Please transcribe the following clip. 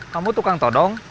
kamu tukang todong